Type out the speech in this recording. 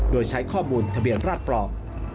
โดยใช้ข้อมูลทะเบียนราชปลอม